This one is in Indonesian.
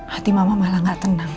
hati mama malah gak tenang